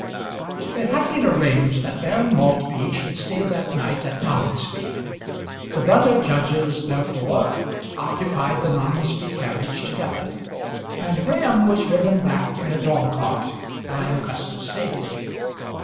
It had been arranged that Baron Maltby should stay that night at Noningsby. The brother judges therefore occupied the Noningsby carriage together, and Graham was driven back in a dog cart by Augustus Staveley.